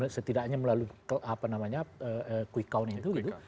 setidaknya melalui quick count itu gitu